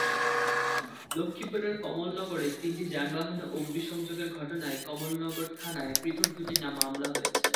লক্ষ্মীপুরের কমলনগরে তিনটি যানবাহনে অগ্নিসংযোগের ঘটনায় কমলনগর থানায় পৃথক দুটি মামলা হয়েছে।